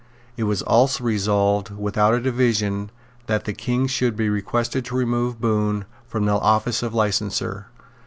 It was also resolved, without a division, that the King should be requested to remove Bohun from the office of licenser.